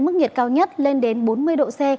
mức nhiệt cao nhất lên đến bốn mươi độ c